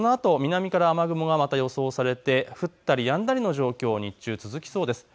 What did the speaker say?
ただ、そのあと南から雨雲が予想されて、降ったりやんだりの状況に日中、続きそうです。